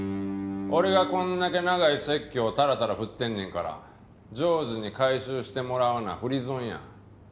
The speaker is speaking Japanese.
俺がこんだけ長い説教タラタラ振ってんねんから上手に回収してもらわな振り損や。